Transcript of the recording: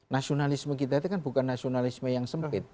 nasionalisme kita itu kan bukan nasionalisme yang sempit